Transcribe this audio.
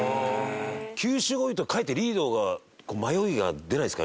球種が多いとかえってリードが迷いが出ないですか？